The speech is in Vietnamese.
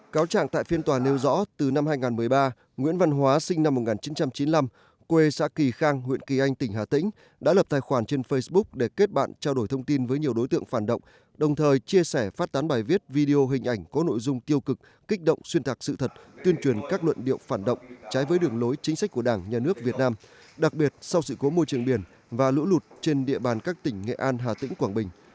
cáo trạng tại phiên tòa nêu rõ từ năm hai nghìn một mươi ba nguyễn văn hóa sinh năm một nghìn chín trăm chín mươi năm quê xã kỳ khang huyện kỳ anh tỉnh hà tĩnh đã lập tài khoản trên facebook để kết bạn trao đổi thông tin với nhiều đối tượng phản động đồng thời chia sẻ phát tán bài viết video hình ảnh có nội dung tiêu cực kích động xuyên thạc sự thật tuyên truyền các luận điệu phản động trái với đường lối chính sách của đảng nhà nước việt nam đặc biệt sau sự cố môi trường biển và lũ lụt trên địa bàn các tỉnh nghệ an hà tĩnh quảng bình